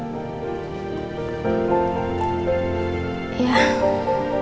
kalau mas rendy sama mbah michelle